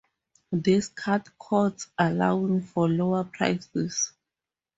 This cut costs, allowing for lower prices.